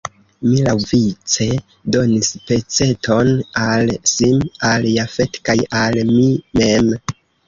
Mi laŭvice donis peceton al Sim, al Jafet kaj al mi mem.